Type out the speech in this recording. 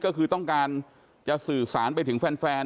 ก็คือต้องการจะสื่อสารไปถึงแฟน